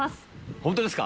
本当ですか。